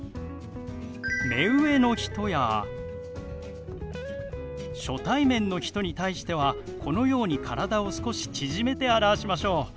目上の人や初対面の人に対してはこのように体を少し縮めて表しましょう。